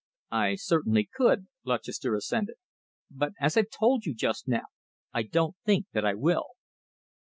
"I certainly could," Lutchester assented, "but, as I told you just now, I don't think that I will."